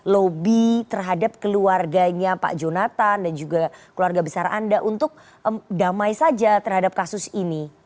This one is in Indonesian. lobby terhadap keluarganya pak jonathan dan juga keluarga besar anda untuk damai saja terhadap kasus ini